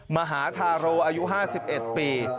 มหาธาโรอายุ๕๑ปี